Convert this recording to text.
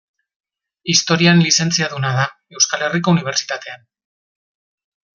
Historian lizentziaduna da Euskal Herriko Unibertsitatean.